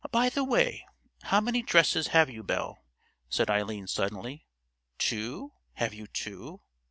"By the way, how many dresses have you, Belle?" said Eileen suddenly. "Two—have you two?"